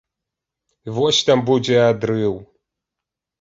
Вось там будзе адрыў!